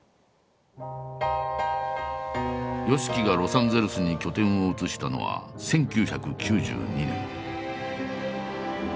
ＹＯＳＨＩＫＩがロサンゼルスに拠点を移したのは１９９２年。